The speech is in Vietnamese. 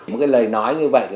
một cái lời nói như vậy